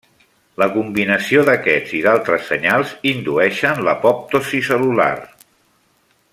La combinació d’aquests i d’altres senyals, indueixen l’apoptosi cel·lular.